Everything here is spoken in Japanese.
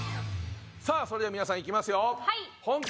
さあそれでは皆さんいきますよ。